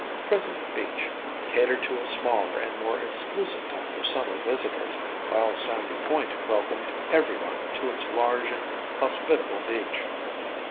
Crescent Beach catered to a smaller and more exclusive type of summer visitors while Sandy Point welcomed everyone to its large and hospitable beach.